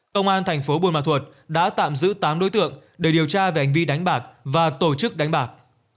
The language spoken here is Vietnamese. công an thành phố buôn ma thuột đã tạm giữ tám đối tượng để điều tra về hành vi đánh bạc và tổ chức đánh bạc